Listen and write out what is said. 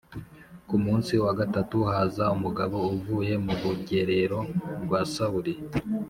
Ku munsi wa gatatu haza umugabo uvuye mu rugerero rwa Sawuli